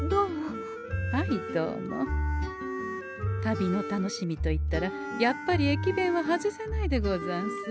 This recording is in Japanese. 旅の楽しみといったらやっぱり駅弁は外せないでござんす。